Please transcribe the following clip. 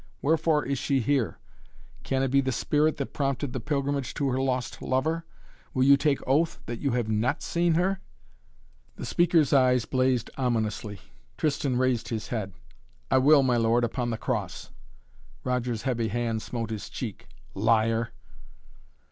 Wherefore is she here? Can it be the spirit that prompted the pilgrimage to her lost lover? Will you take oath, that you have not seen her?" The speaker's eyes blazed ominously. Tristan raised his head. "I will, my lord, upon the Cross!" Roger's heavy hand smote his cheek. "Liar!"